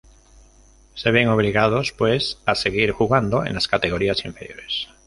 Se ven obligados pues a seguir jugando en las categorías inferiores.